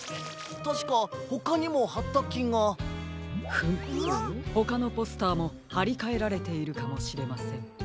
たしかほかにもはったきが。フムほかのポスターもはりかえられているかもしれません。